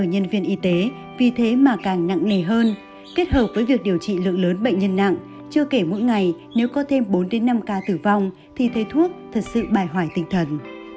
nhân viên y tế vì thế mà càng nặng nề hơn kết hợp với việc điều trị lượng lớn bệnh nhân nặng chưa kể mỗi ngày nếu có thêm bốn năm ca tử vong thì thấy thuốc thật sự bài hòa tinh thần